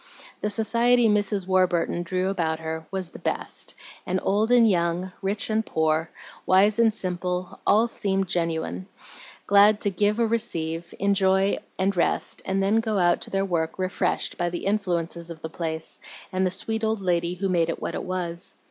The society Mrs. Warburton drew about her was the best, and old and young, rich and poor, wise and simple, all seemed genuine, glad to give or receive, enjoy and rest, and then go out to their work refreshed by the influences of the place and the sweet old lady who made it what it was.